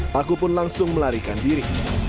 pelaku pun langsung melarikan diri